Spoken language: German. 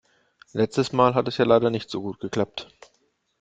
Letztes Mal hat es ja leider nicht so gut geklappt.